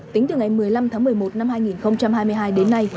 tính từ ngày một mươi năm tháng một mươi một năm hai nghìn hai mươi hai đến nay